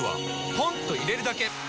ポンと入れるだけ！